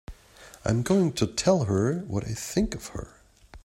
I'm going to tell her what I think of her!